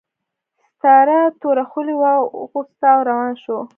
ستار توره خولۍ واغوسته او روان شو